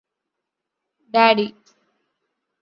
daddy